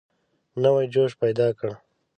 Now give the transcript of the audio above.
نوی جوش پیدا کړ.